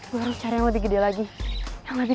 barang pangeran itu yang gede